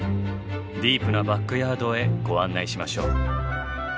ディープなバックヤードへご案内しましょう。